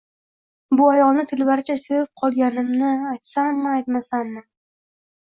Bu ayolni telbalarcha sevib qolganimni aytsammi-aytmasammi